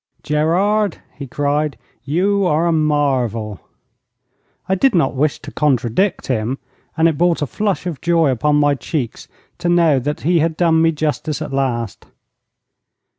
'Gerard,' he cried, 'you are a marvel!' I did not wish to contradict him, and it brought a flush of joy upon my cheeks to know that he had done me justice at last.